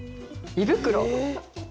「胃袋」。